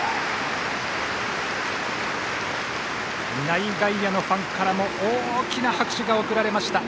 内外野のファンからも大きな拍手が送られました。